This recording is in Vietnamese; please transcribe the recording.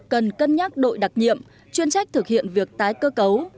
cần cân nhắc đội đặc nhiệm chuyên trách thực hiện việc tái cơ cấu